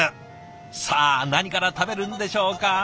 さあ何から食べるんでしょうか？